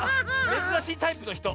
めずらしいタイプのひと。